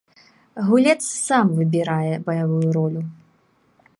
Гулец сам выбірае баявую ролю.